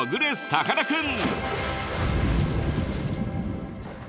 さかなクン！